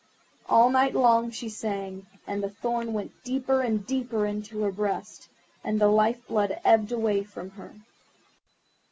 All night long she sang, and the thorn went deeper and deeper into her breast, and her life blood ebbed away from her.